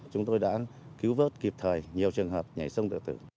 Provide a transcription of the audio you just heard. chúng tôi đã cứu vớt kịp thời nhiều trường hợp nhảy sông tử